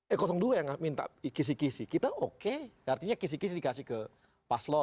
eh dua yang minta kisih kisih kita oke artinya kisih kisih dikasih ke paslon